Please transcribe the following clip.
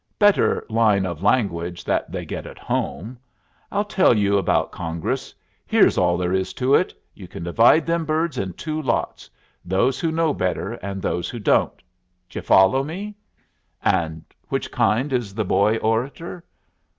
Better line of language that they get at home. I'll tell you about Congress. Here's all there is to it: You can divide them birds in two lots. Those who know better and those who don't. D'you follow me?" "And which kind is the Boy Orator?"